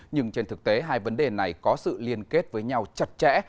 nhưng trên thực tế hai vấn đề này có sự liên kết với nhau chặt chẽ